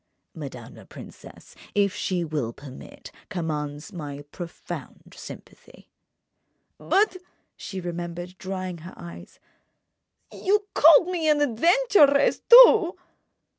"Madame la princesse—if she will permit—commands my profound sympathy." "But," she remembered, drying her eyes, "you called me an adventuress, too!"